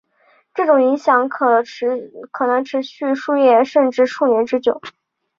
这种影响可能持续数月甚至数年之久。